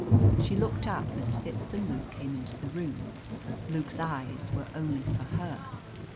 She looked up as Fitz and Luke came into the room. Luke's eyes were only for her.